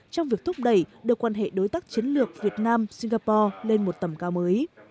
trong việc thúc đẩy đưa quan hệ đối tác chiến lược việt nam singapore lên một tầm cao mới